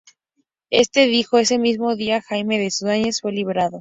Este dijo Ese mismo día Jaime de Zudáñez fue liberado.